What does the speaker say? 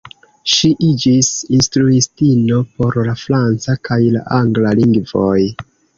Ŝi iĝis instruistino por la franca kaj la angla lingvoj.